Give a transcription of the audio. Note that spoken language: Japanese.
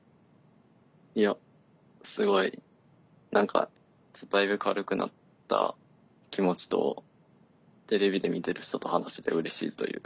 いやすごい何かだいぶ軽くなった気持ちとテレビで見てる人と話せてうれしいという。